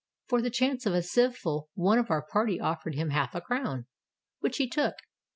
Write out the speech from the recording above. For the chance of a sieveful one of our party offered him half a crown, — which he took.